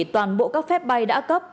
toàn bộ các phép bay đã cấp